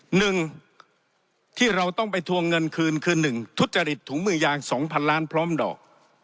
หนึ่งที่เราต้องไปทวงเงินคืนคือหนึ่งทุจริตถุงมือยางสองพันล้านพร้อมดอก